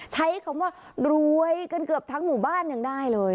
ใช้คำว่ารวยกันเกือบทั้งหมู่บ้านยังได้เลย